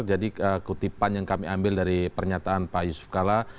jadi kutipan yang kami ambil dari pernyataan pak yusuf kalla